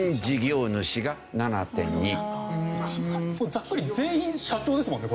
ざっくり全員社長ですもんね。